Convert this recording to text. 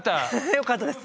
よかったです。